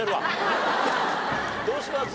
どうします？